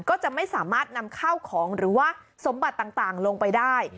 ก็จะไม่สามารถนำข้าวของหรือว่าสมบัติต่างลงไปได้